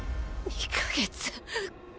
２か月！